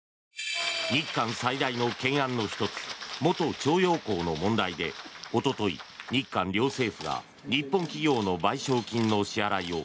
日韓最大の懸案の一つ元徴用工の問題でおととい、日韓両政府が日本企業の賠償金の支払いを